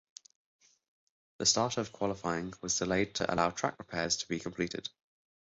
The start of qualifying was delayed to allow track repairs to be completed.